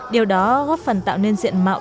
điều đó góp phần tạo nên diện mạo